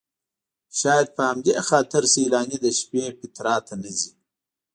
شاید په همدې خاطر سیلاني د شپې پیترا ته نه ځي.